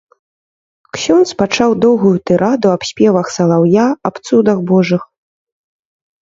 Ксёндз пачаў доўгую тыраду аб спевах салаўя, аб цудах божых.